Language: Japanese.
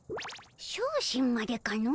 小心までかの。